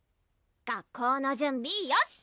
学校の準備よし！